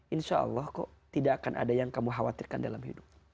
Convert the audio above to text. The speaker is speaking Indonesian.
insya allah kok tidak akan ada yang kamu khawatirkan dalam hidup